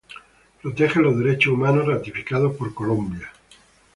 Protege los derechos humanos ratificados por Colombia.